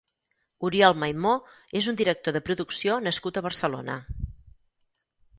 Oriol Maymó és un director de producció nascut a Barcelona.